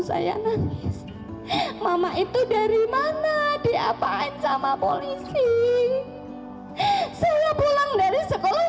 saya nanis mama itu dari mana diapain sama polisi hai hai hai saya pulang dari sekolah